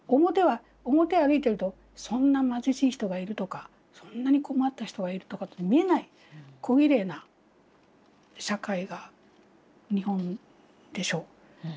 表を歩いてるとそんな貧しい人がいるとかそんなに困った人がいるとかって見えないこぎれいな社会が日本でしょ。